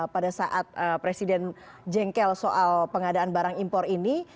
pada saat presiden jengkel soal pengadaan barang impor ini